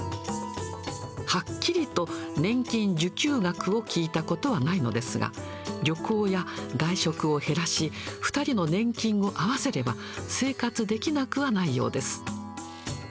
はっきりと年金受給額を聞いたことはないのですが、旅行や外食を減らし、２人の年金を合わせれば、生活できなくはないようです。